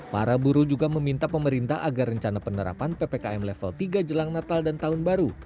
para buruh juga meminta pemerintah agar rencana penerapan ppkm level tiga jelang natal dan tahun baru